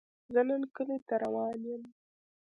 زۀ نن کلي ته روان يم